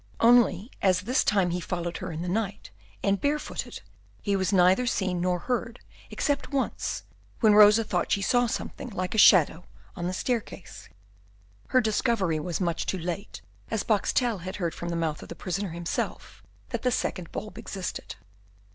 Only as this time he followed her in the night, and bare footed, he was neither seen nor heard except once, when Rosa thought she saw something like a shadow on the staircase. Her discovery, however, was made too late, as Boxtel had heard from the mouth of the prisoner himself that a second bulb existed.